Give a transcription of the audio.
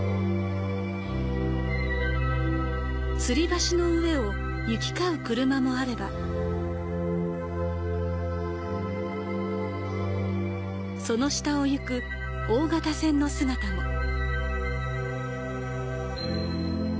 つり橋の上を行きかう車もあれば、その下を行く大型船の姿も。